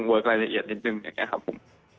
รายละเอียดนิดนึงอย่างนี้ครับผม